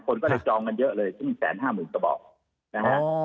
คนก็จะจองกันเยอะเลยซึ่ง๑๕๐๐๐๐๐บาทก็บอกนะฮะ